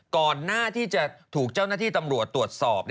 ก่อนหน้าที่จะถูกเจ้าหน้าที่ตำรวจตรวจสอบ